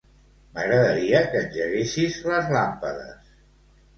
M'agradaria que engeguessis les làmpades.